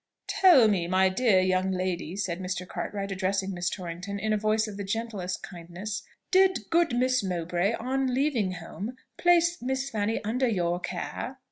"Tell me, my dear young lady," said Mr. Cartwright, addressing Miss Torrington in a voice of the gentlest kindness, "did good Mrs. Mowbray, on leaving home, place Miss Fanny under your care?"